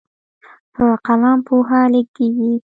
په قلم پوهه لیږدېږي.